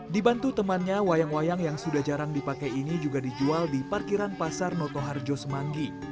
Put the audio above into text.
dibantu temannya wayang wayang yang sudah jarang dipakai ini juga dijual di parkiran pasar noto harjo semanggi